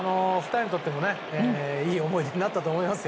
２人にとってもいい思い出になったと思います。